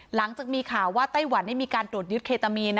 หลังจากมีข่าวว่าไต้หวันได้มีการตรวจยึดเคตามีน